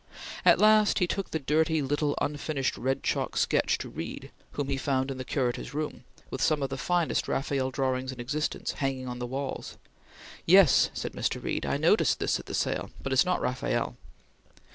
At last he took the dirty, little, unfinished red chalk sketch to Reed whom he found in the Curator's room, with some of the finest Rafael drawings in existence, hanging on the walls. "Yes!" said Mr Reed; "I noticed this at the sale; but it's not Rafael!"